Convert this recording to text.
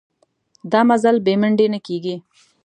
دا مزل بې منډې نه کېږي.